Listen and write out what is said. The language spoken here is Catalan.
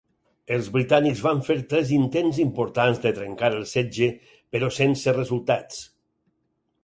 Els britànics van fer tres intents importants de trencar el setge però sense resultats.